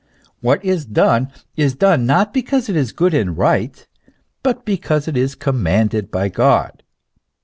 What is done, is done not because it is good and right, but because it is commanded by God.